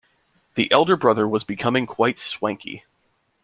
The elder brother was becoming quite swanky.